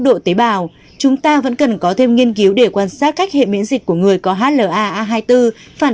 cao chúng ta vẫn cần có thêm nghiên cứu để quan sát cách hệ miễn dịch của người có hla a hai mươi bốn phản